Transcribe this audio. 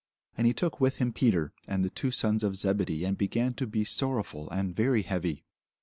And he took with him Peter and the two sons of Zebedee, and began to be sorrowful and very heavy.